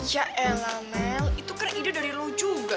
ya ella mel itu kan ide dari lo juga